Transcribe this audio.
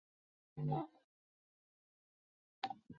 洛宗人口变化图示